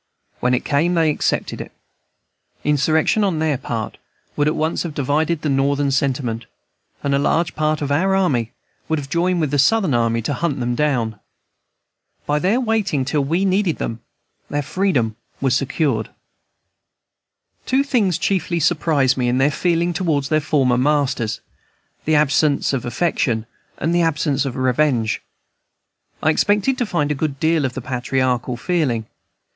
When it came they accepted it. Insurrection on their part would at once have divided the Northern sentiment; and a large part of our army would have joined with the Southern army to hunt them down. By their waiting till we needed them, their freedom was secured. Two things chiefly surprised me in their feeling toward their former masters, the absence of affection and the absence of revenge. I expected to find a good deal of the patriarchal feeling.